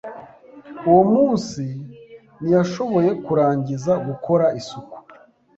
Uwo munsi ntiyashoboye kurangiza gukora isuku